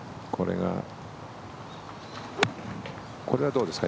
これはどうですか？